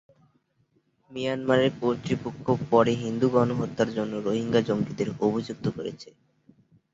মিয়ানমারের কর্তৃপক্ষ পরে হিন্দু গণহত্যার জন্য রোহিঙ্গা জঙ্গিদের অভিযুক্ত করেছে।